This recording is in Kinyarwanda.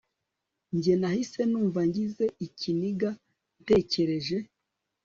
Njye nahise numva ngize ikiniga ntekereje